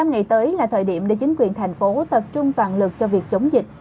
năm ngày tới là thời điểm để chính quyền thành phố tập trung toàn lực cho việc chống dịch